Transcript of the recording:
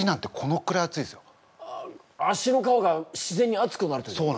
足の皮が自然にあつくなるというのか？